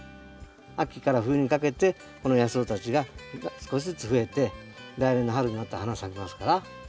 秋から冬にかけてこの野草たちが少しずつ増えて来年の春になったら花咲きますから。